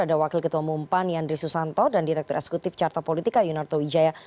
ada wakil ketua umum pan yandri susanto dan direktur eksekutif carta politika yunarto wijaya